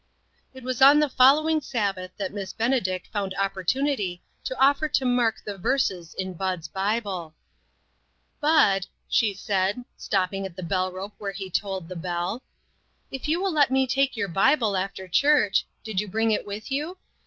It was on the following Sabbath that Miss Benedict found opportunity to offer to mark the verses in Bud's Bible. COMFORTED* " Bud," she said, stopping at the bell rope where he tolled the bell, " if you will let me take your Bible after church did you bring it with you?